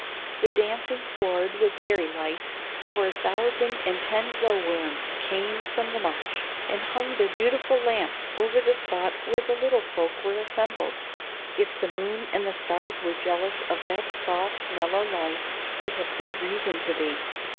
The dancing sward was very light, for a thousand and ten glowworms came from the marsh and hung their beautiful lamps over the spot where the little folk were assembled. If the moon and the stars were jealous of that soft, mellow light, they had good reason to be.